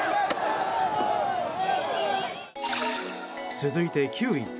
続いて９位。